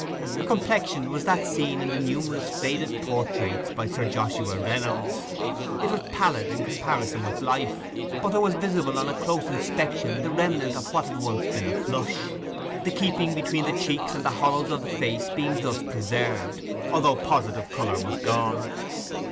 Her complexion was that seen in the numerous faded portraits by Sir Joshua Reynolds; it was pallid in comparison with life, but there was visible on a close inspection the remnant of what had once been a flush; the keeping between the cheeks and the hollows of the face being thus preserved, although positive colour was gone.